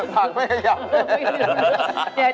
ภักด์ไม่ขยับเลย